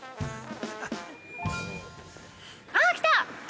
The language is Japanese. ◆あっ、来た！